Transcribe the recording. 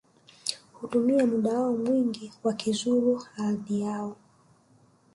Hutumia muda wao mwingi wakizuru ardhi yao